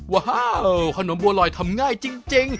ว้าวขนมบัวลอยทำง่ายจริง